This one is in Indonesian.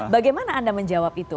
bagaimana anda menjawab itu